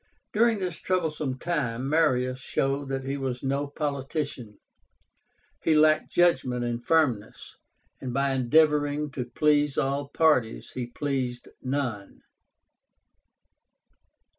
During this troublesome time, Marius showed that he was no politician. He lacked judgment and firmness, and by endeavoring to please all parties he pleased none.